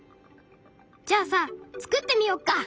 じゃあさ作ってみよっか！